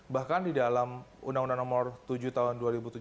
bahkan di dalam undang undang nomor tujuh tahun dua ribu tujuh belas